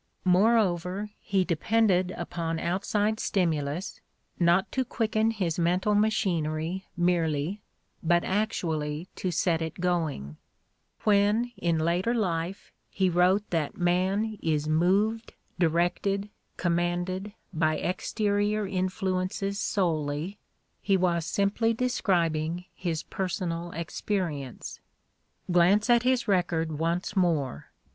Moreover, he depended upon outside stimulus, not to quicken his mental machinery merely, but actually to set it going. "When, in later The Playboy in Letters 165 life, he wrote that man is "moved, directed, commanded by exterior influences solely," he was simply describing his personal experience. Glance at his record once more.